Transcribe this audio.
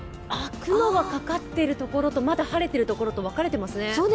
雲がかかってるところとまだ晴れてるところと分かれてますね。